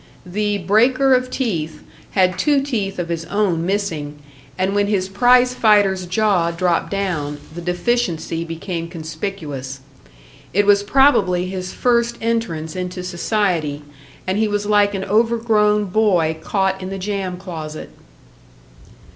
The "breaker of teeth" had two teeth of his own missing, and when his prize fighter's jaw dropped down, the deficiency became conspicuous. It was probably his first entrance into society, and he was like an overgrown boy caught in the jam closet.